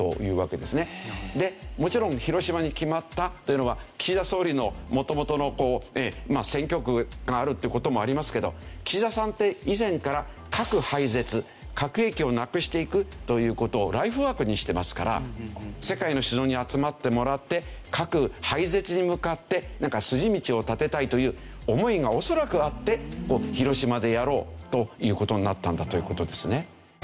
でもちろん広島に決まったというのは岸田総理の元々の選挙区があるという事もありますけど岸田さんって以前から核廃絶核兵器をなくしていくという事をライフワークにしてますから世界の首脳に集まってもらって核廃絶に向かって筋道を立てたいという思いが恐らくあって広島でやろうという事になったんだという事ですね。